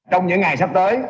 trong những ngày sắp tới